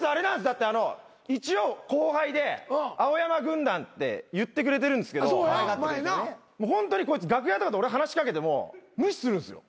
だって一応後輩で青山軍団って言ってくれてるんですけどホントにこいつ楽屋とかで俺話し掛けても無視するんですよ。